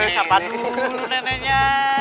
sapa dulu neneknya